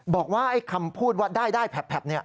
บอกว่าไอ้คำพูดว่าได้แผบ